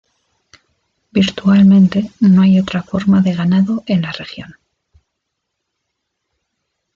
Virtualmente no hay otra forma de ganado en la región.